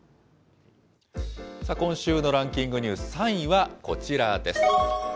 今週のランキングニュース、３位はこちらです。